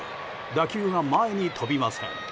打球が前に飛びません。